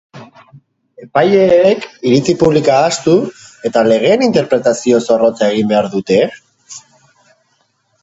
Epaileek iritzi publikoa ahaztu eta legeen interpretazio zorrotza egin behar dute?